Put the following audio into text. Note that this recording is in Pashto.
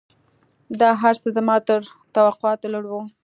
دا هرڅه زما تر توقعاتو لوړ وو.